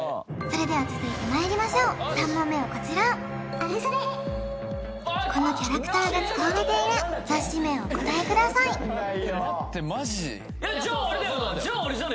それでは続いてまいりましょう３問目はこちらこのキャラクターが使われている雑誌名をお答えください待ってマジじゃあれだよなじゃ